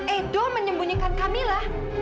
edon menyembunyikan camilla